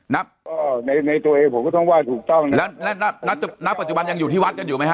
ในตัวเองผมก็ต้องว่าถูกต้องนะครับแล้วนักปัจจุบันยังอยู่ที่วัดกันอยู่ไหมฮะ